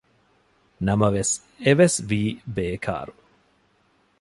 ނަމަވެސް އެވެސް ވީ ބޭކާރު